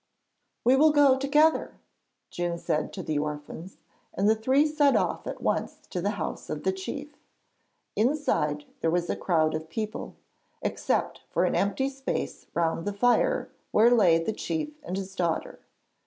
'We will go together,' Djun said to the orphans, and the three set off at once to the house of the chief. Inside, there was a crowd of people, except for an empty space round the fire where lay the chief and his daughter.